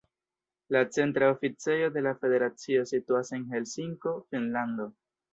La centra oficejo de la federacio situas en Helsinko, Finnlando.